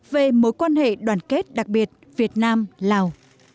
về mối quan hệ đoàn kết đặc biệt việt nam lào